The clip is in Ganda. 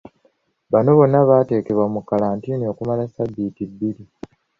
Bano bonna bateekebwa mu kalantiini okumala ssabbiiti bbiri.